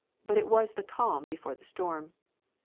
But it was the calm before the storm.